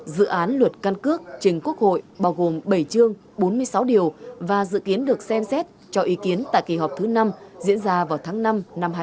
dự án luật căn cước trình quốc hội bao gồm bảy chương bốn mươi sáu điều và dự kiến được xem xét cho ý kiến tại kỳ họp thứ năm diễn ra vào tháng năm năm hai nghìn hai mươi bốn